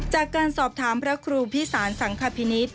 จากการสอบถามพระครูพิสารสังคพินิษฐ